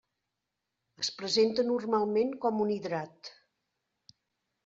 Es presenta normalment com un hidrat.